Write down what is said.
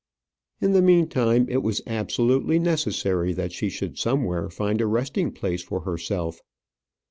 In the meantime it was absolutely necessary that she should somewhere find a resting place for herself.